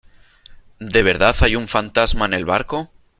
¿ de verdad hay un fantasma en el barco ?